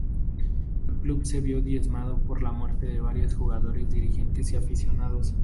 El club se vio diezmado por la muerte de varios jugadores, dirigentes y aficionados.